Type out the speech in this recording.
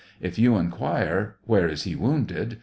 If you inquire, " Where is he wounded